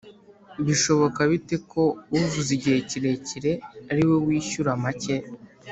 bishoboka bite ko uvuze igihe kirekire ari we wishyura make ?’